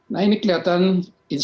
nah ini kelihatan instabilitasnya